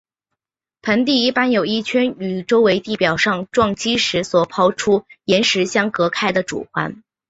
盆地一般有一圈与周边地表上撞击时所抛出岩石相隔开的主环。